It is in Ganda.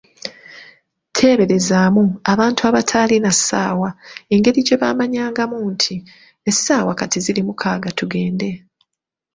Teeberezaamu abantu abataalina ssaawa engeri gyebamanyangamu nti, essaawa kati ziri mukaaga tugende!